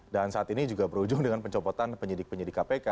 dan saat ini juga berujung dengan pencopotan penyidik penyidik kpk